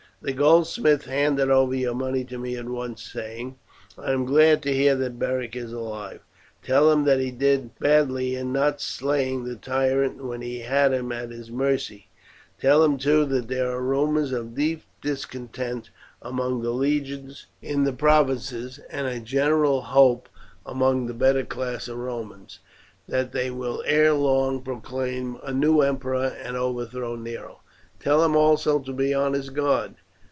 "The goldsmith handed over your money to me at once, saying, 'I am glad to hear that Beric is alive. Tell him that he did badly in not slaying the tyrant when he had him at his mercy. Tell him, too, there are rumours of deep discontent among the legions in the provinces, and a general hope among the better class of Romans that they will ere long proclaim a new emperor and overthrow Nero. Tell him also to be on his guard.